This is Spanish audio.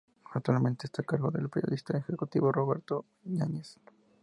Actualmente está a cargo del periodista y ejecutivo Roberto Yáñez.